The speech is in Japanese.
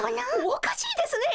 おかしいですね。